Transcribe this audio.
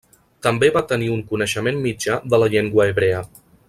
També va tenir un coneixement mitjà de la llengua hebrea.